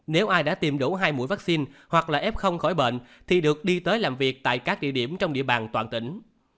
nếu ai đã tìm đủ hai mũi vaccine hoặc là f khỏi bệnh thì được đi tới làm việc tại các địa điểm trong địa bàn toàn tỉnh